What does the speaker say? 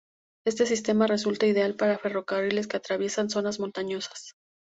Este sistema resulta ideal para ferrocarriles que atraviesan zonas montañosas.